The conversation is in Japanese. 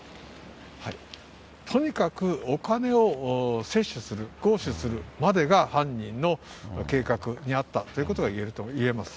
とにかくお金を窃取する、強取するまでが、犯人の計画にあったということが言えると思います。